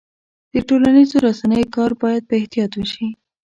د ټولنیزو رسنیو کار باید په احتیاط وشي.